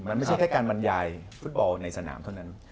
มันไม่ใช่แค่การบรรยายฟุตบอลในสนามเท่านั้น